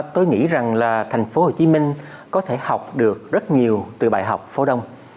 tôi nghĩ rằng là thành phố hồ chí minh có thể học được rất nhiều từ bài học phố đông